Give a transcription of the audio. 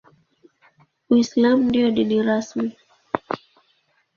Uislamu ndio dini rasmi.